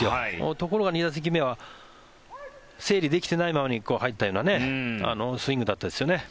ところが、２打席目は整理できていないままに入ったようなスイングだったですよね。